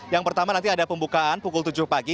yang pertama nanti ada pembukaan pukul tujuh pagi